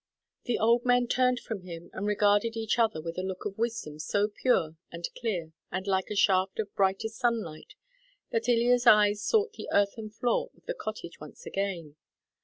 The old men turned from him and regarded each other with a look of wisdom so pure and clear and like a shaft of brightest sunlight that Ilya's eyes sought the earthen floor of the cottage once again.